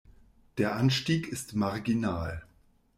Der Anstieg ist marginal.